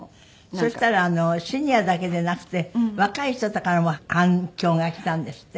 そしたらシニアだけでなくて若い人からも反響が来たんですって？